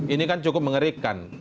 ini kan cukup mengerikan